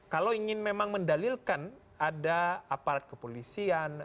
kalau ingin memang mendalilkan ada aparat kepolisian